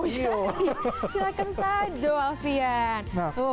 silahkan saja alvian